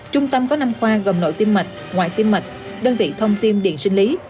trung tâm có năm khoa gồm nội tiêm mạch ngoại tiêm mạch đơn vị thông tiêm điện sinh lý